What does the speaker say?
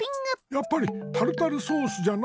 やっぱりタルタルソースじゃな。